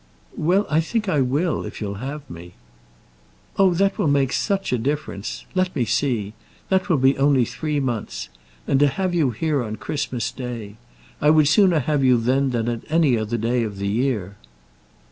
"Well; I think I will, if you'll have me." "Oh! that will make such a difference. Let me see. That will only be three months. And to have you here on Christmas Day! I would sooner have you then than on any other day in the year."